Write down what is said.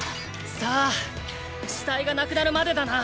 さあ死体が無くなるまでだな。